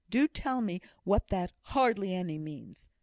Do tell me what that 'hardly any' means.